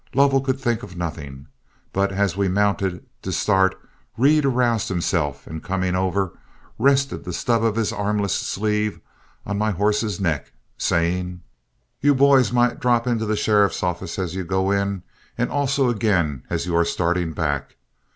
Lovell could think of nothing; but as we mounted to start, Reed aroused himself, and coming over, rested the stub of his armless sleeve on my horse's neck, saying: "You boys might drop into the sheriff's office as you go in and also again as you are starting back.